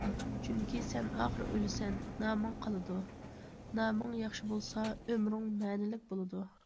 چۈنكى سەن ئاخىرى ئۆلىسەن، نامىڭ قالىدۇ، نامىڭ ياخشى بولسا، ئۆمرۈڭ مەنىلىك بولىدۇ.